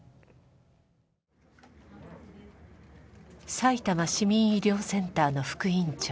さいたま市民医療センターの副院長